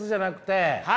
はい。